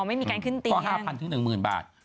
อ๋อไม่มีการขึ้นตีนะครับก็๕๐๐๐ถึง๑๐๐๐๐บาท